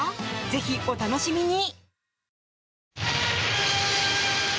ぜひお楽しみに。